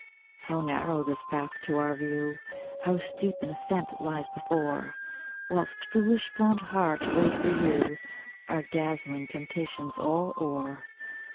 How narrow this path to our view! How steep an ascent lies before! Whilst, foolish fond heart, laid for you Are dazzling temptations all o'er.